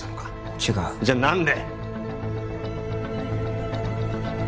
違うじゃ何で？